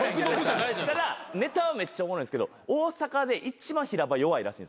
ただネタはめっちゃおもろいんですけど大阪で一番平場弱いらしい。